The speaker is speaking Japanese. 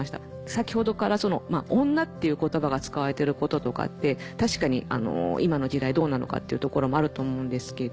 先ほどから「女」っていう言葉が使われてることとか確かに今の時代どうなのかっていうところもあると思うんですけど。